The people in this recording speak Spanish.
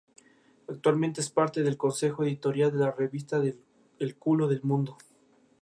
Estableció oficinas de la empresa en Oslo y Estocolmo.